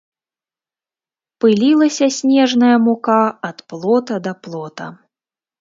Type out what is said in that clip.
Пылілася снежная мука ад плота да плота.